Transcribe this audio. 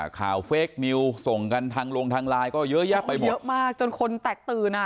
เฟคนิวส่งกันทางลงทางไลน์ก็เยอะแยะไปหมดเยอะมากจนคนแตกตื่นอ่ะ